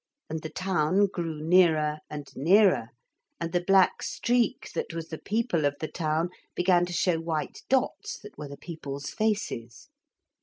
And the town grew nearer and nearer, and the black streak that was the people of the town began to show white dots that were the people's faces.